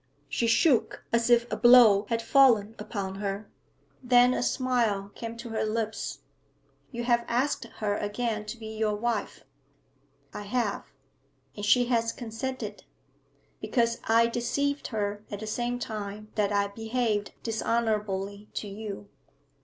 She shook, as if a blow had fallen upon her. Then a smile came to her lips. 'You have asked her again to be your wife?' 'I have.' 'And she has consented?' 'Because I deceived her at the same time that I behaved dishonourably to you.'